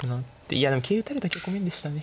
いやでも桂打たれた局面でしたね。